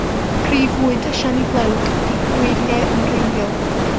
Prif fwyd y siani flewog ydy gweiriau amrywiol.